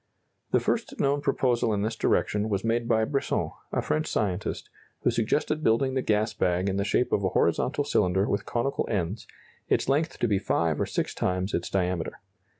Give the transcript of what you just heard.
The first known proposal in this direction was made by Brisson, a French scientist, who suggested building the gas bag in the shape of a horizontal cylinder with conical ends, its length to be five or six times its diameter.